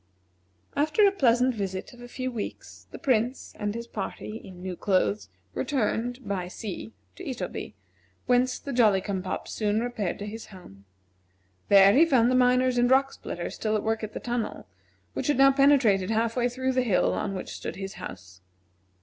After a pleasant visit of a few weeks, the Prince and his party (in new clothes) returned (by sea) to Itoby, whence the Jolly cum pop soon repaired to his home. There he found the miners and rock splitters still at work at the tunnel, which had now penetrated half way through the hill on which stood his house.